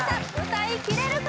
歌いきれるか？